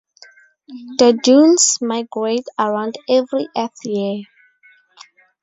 The dunes migrate around every Earth year.